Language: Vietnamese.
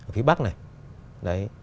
phía bắc này